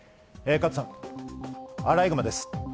加藤さん、アライグマです。